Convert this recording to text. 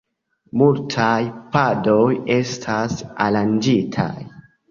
Multaj padoj estas aranĝitaj.